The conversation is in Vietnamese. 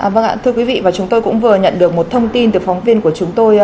vâng ạ thưa quý vị và chúng tôi cũng vừa nhận được một thông tin từ phóng viên của chúng tôi